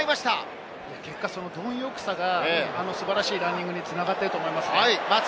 その貪欲さが素晴らしいランニングに繋がっていると思います。